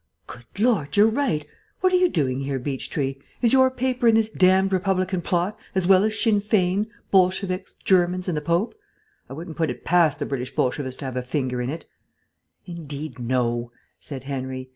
"Good Lord, you're right.... What are you doing here, Beechtree? Is your paper in this damned Republican plot, as well as Sinn Fein, Bolsheviks, Germans, and the Pope? I wouldn't put it past the British Bolshevist to have a finger in it " "Indeed, no," said Henry.